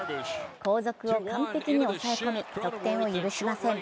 後続を完璧に抑え込み得点を許しません。